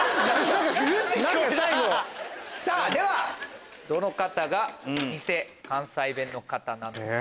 ではどの方がニセ関西弁の方なのか？